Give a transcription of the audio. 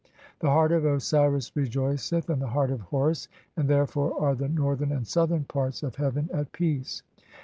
The heart of Osiris rejoiceth, and the heart of (2) Horus ; and therefore are the northern and southern parts of heaven at peace.